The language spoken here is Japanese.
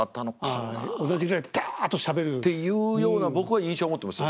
同じぐらいダっとしゃべる。っていうような僕は印象持ってますよ。